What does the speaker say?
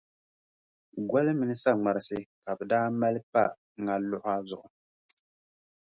Goli mini saŋmarisi ka bɛ daa maali pa ŋa luɣa zuɣu.